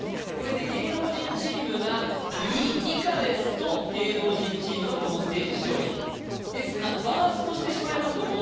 これで芸能人チームが２以下ですと芸能人チームのこのステージ勝利ですがバーストしてしまいますと